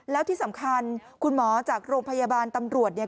แล้วที่สำคัญคุณหมอจากโรงพยาบาลตำรวจเนี่ย